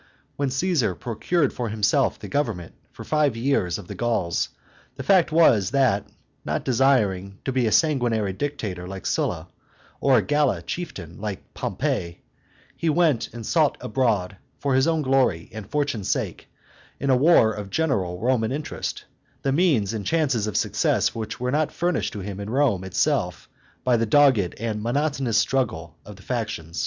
When Caesar procured for himself the government for five years of the Gauls, the fact was, that, not desiring to be a sanguinary dictator like Scylla, or a gala chieftain like Pompey, he went and sought abroad, for his own glory and fortune's sake, in a war of general Roman interest, the means and chances of success which were not furnished to him in Rome itself by the dogged and monotonous struggle of the factions.